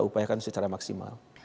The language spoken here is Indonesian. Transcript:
upayakan secara maksimal